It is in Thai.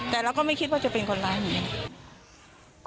แต่เราก็ไม่คิดว่าจะเป็นคนร้ายเหมือนกัน